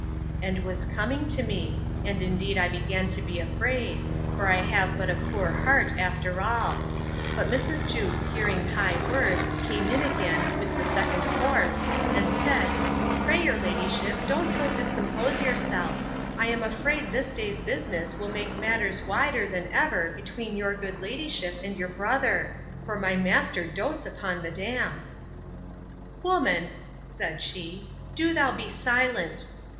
And was coming to me: And indeed I began to be afraid; for I have but a poor heart, after all. But Mrs. Jewkes hearing high words, came in again, with the second course, and said, Pray your ladyship, don't so discompose yourself. I am afraid this day's business will make matters wider than ever between your good ladyship and your brother: For my master doats upon madam. Woman, said she, do thou be silent!